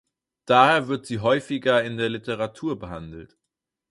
Daher wird sie häufiger in der Literatur behandelt.